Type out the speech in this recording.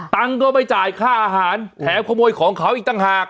ตั้งก็ไปจ่ายค่าอาหารแถมโคโมยของเขาอีกตั้งหาก